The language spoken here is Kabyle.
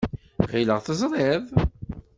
Ɣileɣ teẓriḍ.